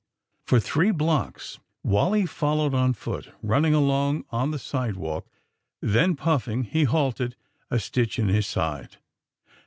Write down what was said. For three blocks Wally followed on foot, run ning along on the sidewalk. Then puffing, he halted, a stitch in his side.